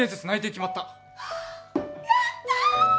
やった！